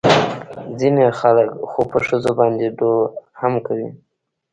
ځينې خلق خو په ښځو باندې لو هم کوي.